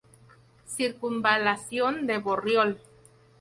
Circunvalación de Borriol.